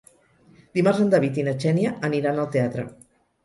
Dimarts en David i na Xènia aniran al teatre.